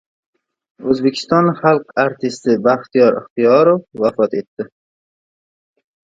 O‘zbekiston xalq artisti Baxtiyor Ixtiyorov vafot etdi